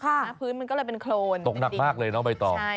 ค่ะพื้นมันก็เลยเป็นโครนด้วยจริงตกหนักมากเลยเนอะใบต่อ